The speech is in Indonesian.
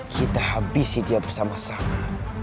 kita habisi dia bersama sama